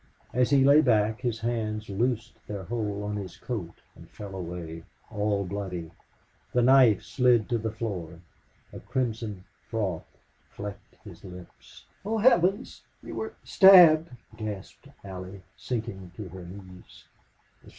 As he lay back his hands loosed their hold of his coat and fell away all bloody. The knife slid to the floor. A crimson froth flecked his lips. "Oh Heaven! You were stabbed!" gasped Allie, sinking to her knees.